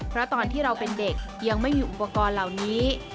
เพราะตอนที่เราเป็นเด็กยังไม่มีอุปกรณ์เหล่านี้